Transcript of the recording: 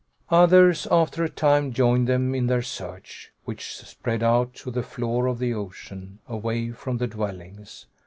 Others, after a time, joined them in their search, which spread out to the floor of the ocean, away from the dwellings.